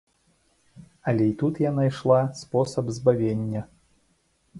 Але й тут я найшла спосаб збавення.